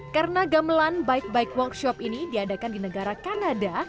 karena gamelan bike bike workshop ini diadakan di negara kanada